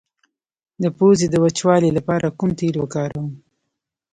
د پوزې د وچوالي لپاره کوم تېل وکاروم؟